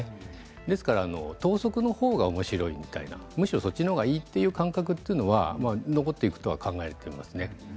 ですから等速の方がおもしろいむしろそっちの方がいいという感覚というのは残っていくとは考えています。